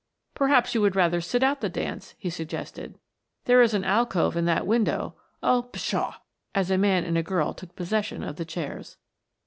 "Perhaps you would rather sit out the dance," he suggested. "There is an alcove in that window; oh, pshaw!" as a man and a girl took possession of the chairs.